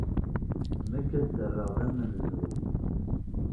Nekk, ad t-rreɣ d amenzu.